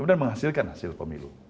kemudian menghasilkan hasil pemilu